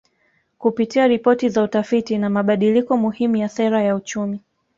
Kupitia ripoti za utafiti na mabadiliko muhimu ya Sera ya Uchumi